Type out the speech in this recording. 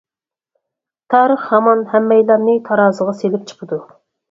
تارىخ ھامان ھەممەيلەننى تارازىغا سېلىپ چىقىدۇ.